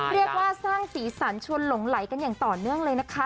เรียกว่าสร้างสีสันชวนหลงไหลกันอย่างต่อเนื่องเลยนะคะ